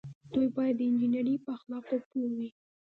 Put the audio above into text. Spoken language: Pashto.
دوی باید د انجنیری په اخلاقو پوه وي.